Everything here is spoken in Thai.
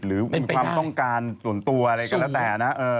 หรือมีความต้องการส่วนตัวอะไรก็แล้วแต่นะ